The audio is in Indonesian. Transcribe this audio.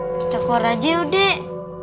kita keluar aja yuk dek